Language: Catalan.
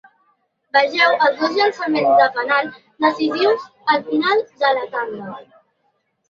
Vegeu els dos llançaments de penal decisius al final de la tanda.